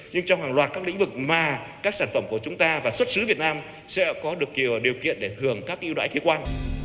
nhưng trong hàng loạt các lĩnh vực mà các sản phẩm của chúng ta và xuất xứ việt nam sẽ có được điều kiện để hưởng các ưu đãi thuế quan